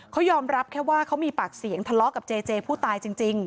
เขายอมรับแค่ว่าเขามีปากเสียงทะเลาะกับเจเจผู้ตายจริง